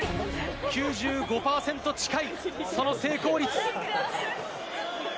９５％近い、その成功率。